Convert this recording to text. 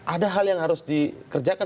ada hal yang harus dikerjakan